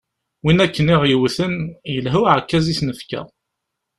Win akken i ɣ-yewten, yelha uɛekkaz i s-nefka.